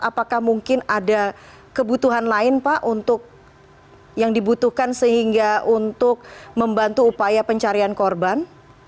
apakah mungkin ada kebutuhan lain pak untuk yang dibutuhkan sehingga untuk membantu upaya pencarian korban